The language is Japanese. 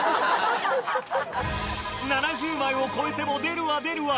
７０枚を超えても出るわ出るわ